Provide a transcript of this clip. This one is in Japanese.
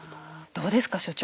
どうですか所長